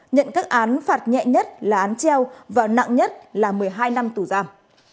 nhận các án phạt nhẹ nhất là án treo và nặng nhất là một mươi hai năm tù giam